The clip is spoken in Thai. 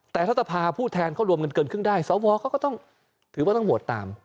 แต่ถ้าสภาผู้แทนเขารวมเงินเกินครึ่งได้สวเขาก็ต้องถือว่าต้องโหวตตาม